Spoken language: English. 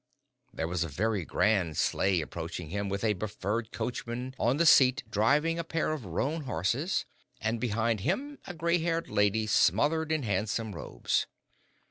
There was a very grand sleigh approaching him, with a befurred coachman on the seat driving a pair of roan horses, and behind him a gray haired lady smothered in handsome robes.